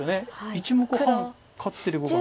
１目半勝ってる方が。